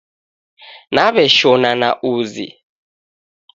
Naw'eshona na uzi